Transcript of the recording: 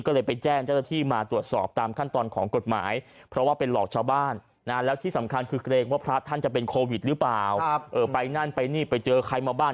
ก็เลยไปแจ้งเจ้าที่มาตรวจสอบตามขั้นตอนของกฎหมายเพราะว่าเป็นหลอกชาวบ้าน